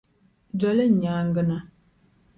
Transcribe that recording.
Doli n nyaaŋa na.